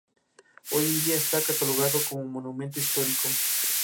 Hoy en día está catalogado como Monumento Histórico.